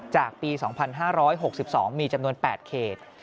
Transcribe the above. จากปี๒๕๖๒มีจำนวน๘เขต